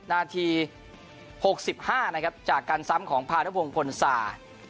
นาทีหกสิบห้านะครับจากการซ้ำของพาด้วยวงฝนศา